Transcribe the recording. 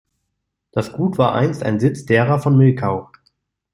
Das Gut war einst ein Sitz derer von Milkau.